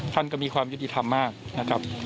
ท่านก็มีความยุติธรรมมากนะครับ